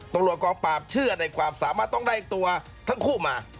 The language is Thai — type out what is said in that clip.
กองปราบเชื่อในความสามารถต้องได้ตัวทั้งคู่มา